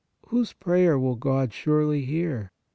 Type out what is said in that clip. Whose prayer will God surely hear?